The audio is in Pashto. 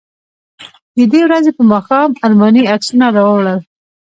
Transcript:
د دې ورځې په ماښام ارماني عکسونه راوړل.